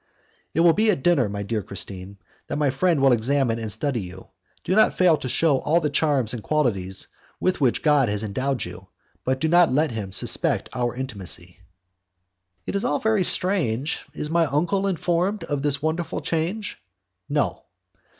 "It will be at dinner, my dear Christine, that my friend will examine and study you; do not fail to shew all the charms and qualities with which God has endowed you, but do not let him suspect our intimacy." "It is all very strange. Is my uncle informed of this wonderful change?" "No."